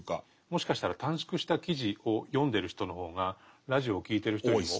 もしかしたら短縮した記事を読んでる人の方がラジオを聴いてる人よりも。